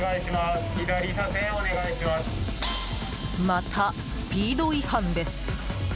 またスピード違反です！